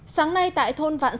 sáng nay tại thôn vạn sơn